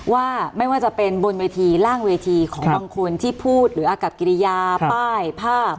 ว่าไม่ว่าจะเป็นบนเวทีล่างเวทีของบางคนที่พูดหรืออากับกิริยาป้ายภาพ